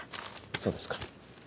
そうですか。